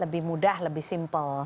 lebih mudah lebih simpel